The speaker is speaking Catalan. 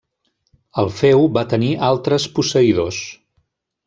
El feu va tenir altres posseïdors.